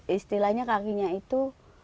istilahnya kakinya itu